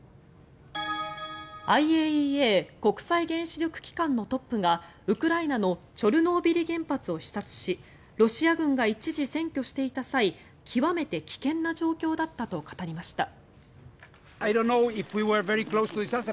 ＩＡＥＡ・国際原子力機関のトップがウクライナのチョルノービリ原発を視察しロシア軍が一時占拠していた際極めて危険な状況だったと語りました。